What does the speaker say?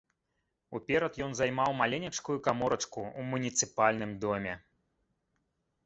Уперад ён займаў маленечкую каморачку ў муніцыпальным доме.